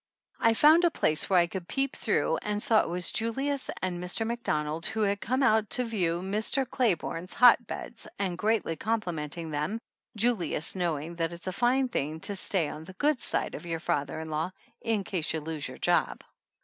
I found a place where I could peep through and saw it was Julius and Mr. Macdonald who had come out to view Mr. Clayborne's hotbeds, and greatl}' complimenting them, Julius knowing that it's a fine thing to stay on the good side of your father in law in case you lose your job.